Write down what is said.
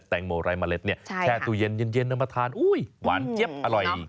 แตงโมไรมะเล็ดแช่ตู้เย็นเอามาทานอุ๊ยหวานเย็บอร่อย